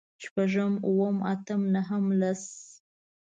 شپږ، اووه، اته، نهه، لس